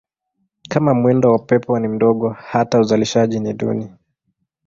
Kama mwendo wa upepo ni mdogo hata uzalishaji ni duni.